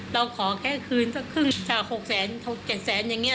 เราขอแค่คืนสักครึ่งถ้าหกแสนเจ็ดแสนอย่างเงี้ย